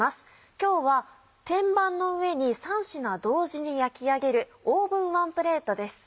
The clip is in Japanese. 今日は天板の上に３品同時に焼き上げる「オーブンワンプレート」です。